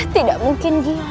tidak mungkin gila